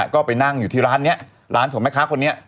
ก็ไปนั่งอยู่ที่ร้านนี้ร้านของแม่ค้าคนนี้